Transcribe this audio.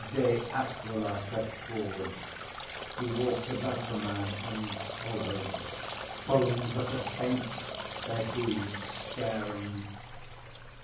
ŌĆØ ŌĆśDe Aquila crept forward. He walked about the man and swallowed. ŌĆśŌĆ£Bones of the Saints! ŌĆØ said he, staring.